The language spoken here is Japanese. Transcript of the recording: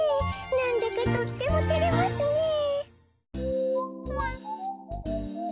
なんだかとってもてれますねえ。